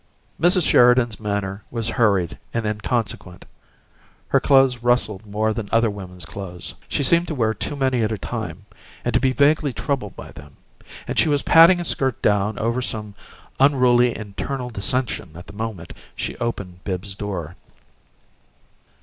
Mrs. Sheridan's manner was hurried and inconsequent; her clothes rustled more than other women's clothes; she seemed to wear too many at a time and to be vaguely troubled by them, and she was patting a skirt down over some unruly internal dissension at the moment she opened Bibbs's door.